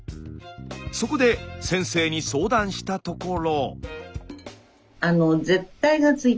そこで先生に相談したところ。